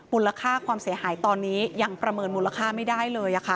มูลค่าความเสียหายตอนนี้ยังประเมินมูลค่าไม่ได้เลยค่ะ